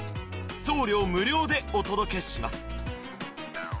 送料無料でお届けします